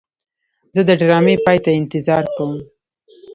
زه د ډرامې پای ته انتظار کوم.